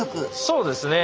そうですね。